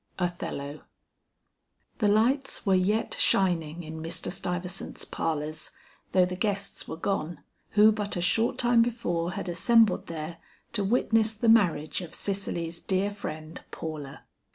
OTHELLO. The lights were yet shining in Mr. Stuyvesant's parlors, though the guests were gone, who but a short time before had assembled there to witness the marriage of Cicely's dear friend, Paula.